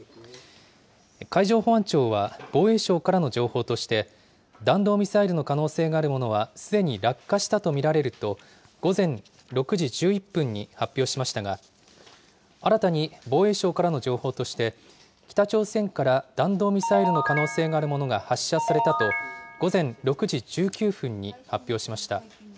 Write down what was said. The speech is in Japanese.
海上保安庁は、防衛省からの情報として、弾道ミサイルの可能性があるものは、すでに落下したと見られると、午前６時１１分に発表しましたが、新たに防衛省からの情報として、北朝鮮から弾道ミサイルの可能性があるものが発射されたと、午前６時１９分に発表しました。